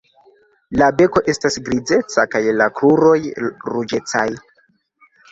La beko estas grizeca kaj la kruroj ruĝecaj.